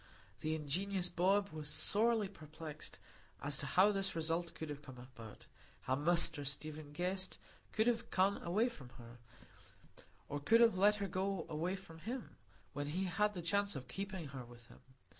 The ingenious Bob was sorely perplexed as to how this result could have come about; how Mr Stephen Guest could have gone away from her, or could have let her go away from him, when he had the chance of keeping her with him.